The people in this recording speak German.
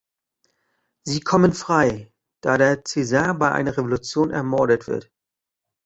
Sie kommen frei, da der Caesar bei einer Revolution ermordet wird.